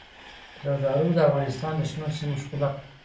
زردالو د افغانستان د شنو سیمو ښکلا ده.